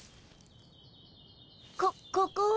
こここは？